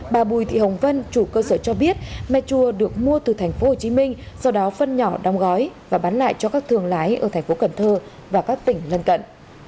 bà bùi thị hồng vân chủ cơ sở cho biết me chua được mua từ tp hcm do đó phân nhỏ đám gói và bán lại cho các thường lái ở tp cn và các tỉnh lân cận